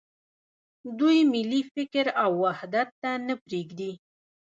دوی ملي فکر او وحدت ته نه پرېږدي.